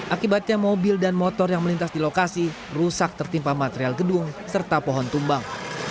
akibatnya mobil dan motor yang melintas di lokasi rusak tertimpa material gedung serta pohon tumbang